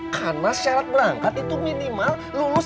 karena syarat berangkat itu minimal lulus smp